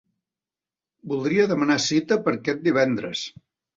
Voldria demanar cita per aquest divendres.